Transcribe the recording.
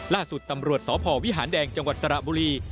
ล่าสุดตำรวจสพวิหารแดงจังหวัดสระบุรี